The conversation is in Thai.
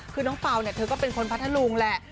คือน้องป่าวเธอก็เป็นคนพัทธลุงแหละ